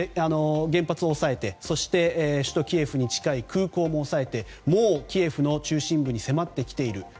原発を抑えて首都キエフに近い空港も抑えてもうキエフの中心部に迫ってきている。